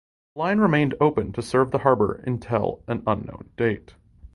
The line remained open to serve the harbour until an unknown date.